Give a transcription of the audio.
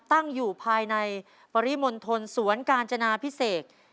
ตั้งอยู่ภายในปริมณฑลสวนกาญจนาพิเศษ